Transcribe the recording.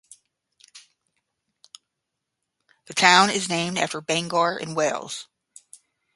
The town is named after Bangor in Wales.